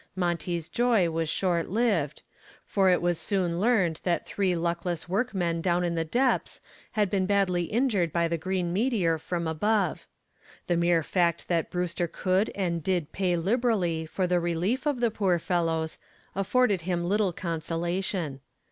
Monty's joy was short lived, for it was soon learned that three luckless workmen down in the depths had been badly injured by the green meteor from above. The mere fact that Brewster could and did pay liberally for the relief of the poor fellows afforded him little consolation.